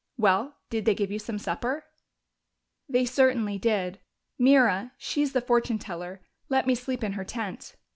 Well, did they give you some supper?" "They certainly did. Mira she is the fortune teller let me sleep in her tent.